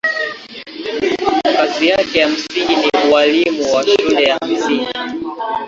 Kazi yake ya msingi ni ualimu wa shule ya msingi.